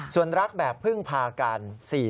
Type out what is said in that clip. ส่วนรักแบบพึ่งพากัน